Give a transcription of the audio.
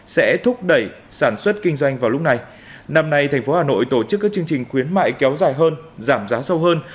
sẽ thúc đẩy sản xuất kinh doanh vào lúc này năm nay thành phố hà nội tổ chức các chương trình khuyến mại kéo dài hơn giảm giá sâu hơn